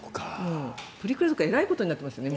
プリクラとかえらいことになっていますよね